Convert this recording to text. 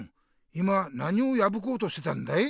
今何をやぶこうとしてたんだい？